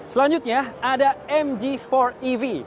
selanjutnya ada mg empat ev